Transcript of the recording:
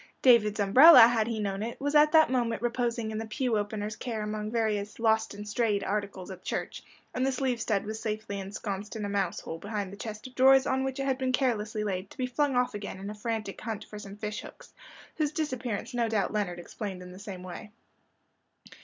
David's umbrella, had he known it, was at that moment reposing in the pew opener's care among various "lost and strayed" articles at church; and the sleeve stud was safely ensconced in a mouse hole behind the chest of drawers on which it had been carelessly laid, to be flung off again in a frantic hunt for some fish hooks, whose disappearance no doubt Leonard explained in the same way.